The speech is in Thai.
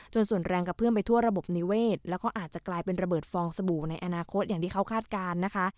ส่วนแรงกระเพื่อมไปทั่วระบบนิเวศแล้วก็อาจจะกลายเป็นระเบิดฟองสบู่ในอนาคตอย่างที่เขาคาดการณ์นะคะ